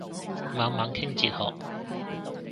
猛猛傾哲學